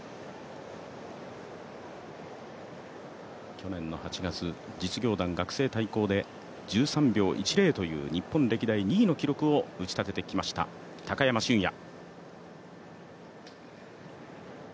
去年の８月、実業団学生対抗で１３秒１３という日本歴代２位の記録を打ちたててきました、高山峻野。